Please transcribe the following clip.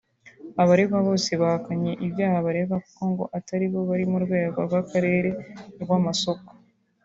Abaregwa bose bahakanye ibyaha baregwa kuko ngo atari bo bari mu rwego rw’Akarere rw’amasoko